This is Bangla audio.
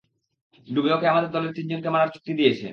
ডুবে ওকে আমাদের দলের তিনজনকে মারার চুক্তি দিয়েছে।